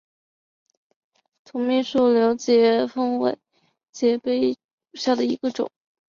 土蜜树瘤节蜱为节蜱科瘤节蜱属下的一个种。